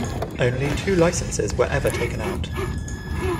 Only two licences were ever taken out.